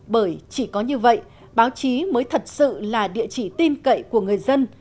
bởi chỉ có như vậy báo chí mới thật sự là địa chỉ tin cậy của người dân